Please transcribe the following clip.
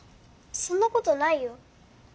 そんなことないよ。